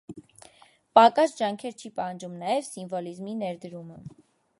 Պակաս ջանքեր չի պահանջում նաև սիմվոլիզմի ներդրումը։